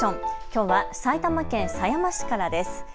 きょうは埼玉県狭山市からです。